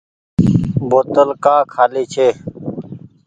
بوتل ڪآ کآلي ڇي۔